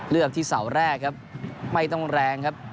เลือกที่เสาแรกครับไม่ต้องแรงครับ